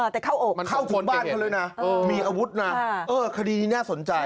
แต่เข้าอกมันเข้าถึงบ้านเขาเลยนะมีอาวุธนะคดีนี้น่าสนใจ